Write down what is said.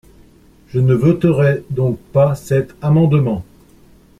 Je ne voterai donc pas cet amendement.